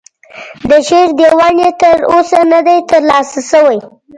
د شعر دیوان یې تر اوسه نه دی ترلاسه شوی.